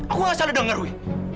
aku nggak salah dengar wi